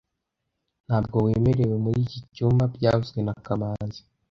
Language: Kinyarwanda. Ntabwo wemerewe muri iki cyumba byavuzwe na kamanzi